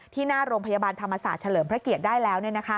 หน้าโรงพยาบาลธรรมศาสตร์เฉลิมพระเกียรติได้แล้ว